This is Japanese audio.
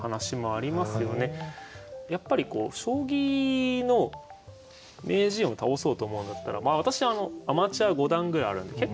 やっぱり将棋の名人を倒そうと思うんだったら私アマチュア五段ぐらいあるんで結構強いんですけど。